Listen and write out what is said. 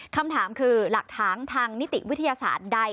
คำถามคือหลักฐานทางนิติวิทยาศาสตร์ใด